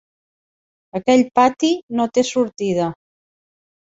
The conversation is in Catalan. Aquell pati no té sortida.